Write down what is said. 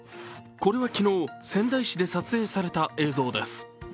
これは昨日、仙台市で撮影された映像です。